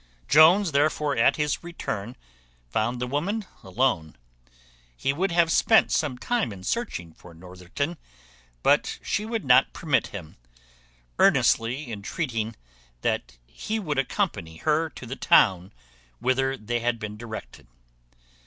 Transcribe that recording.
Jones therefore, at his return, found the woman alone. He would have spent some time in searching for Northerton, but she would not permit him; earnestly entreating that he would accompany her to the town whither they had been directed.